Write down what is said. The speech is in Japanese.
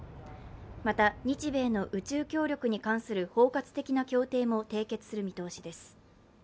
また、日米の宇宙協力に関する包括的な協定も締結する見通しです。